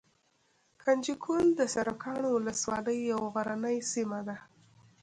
ګنجګل دسرکاڼو ولسوالۍ يو غرنۍ سيمه ده